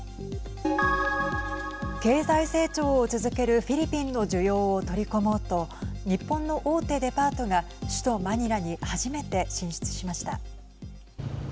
経済成長を続けるフィリピンの需要を取り込もうと日本の大手デパートが首都マニラに初めて進出しました。